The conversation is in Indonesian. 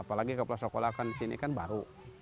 apalagi ke pulau sokolah kan di sini kan baru